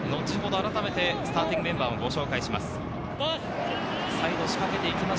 あらためてスターティングメンバーをご紹介します。